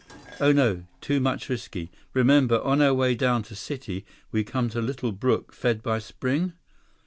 "Oh, no. Too much risky. Remember, on our way down to city, we come to little brook fed by spring?"